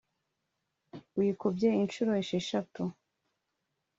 wikubye inshuro esheshatu